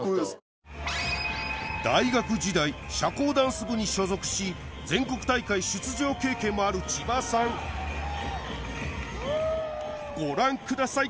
大学時代社交ダンス部に所属し全国大会出場経験もある千葉さんご覧ください